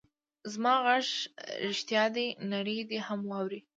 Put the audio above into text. زما غږ رښتیا دی؛ نړۍ دې هم واوري.